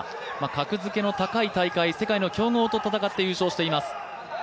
格付けの高い大会、世界の強豪と戦って優勝しています。